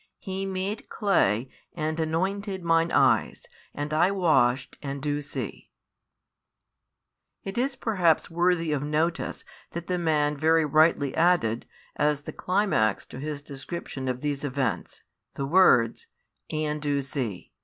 He made clay, and anointed mine eyes, and I washed, and do see. It is perhaps worthy of notice that the man very rightly added, as the climax to his description of these events, the words: And do see.